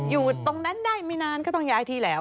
อยู่ตรงนั้นได้ไม่นานก็ต้องย้ายที่แล้ว